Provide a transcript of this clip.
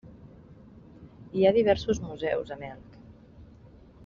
Hi ha diversos museus a Melk.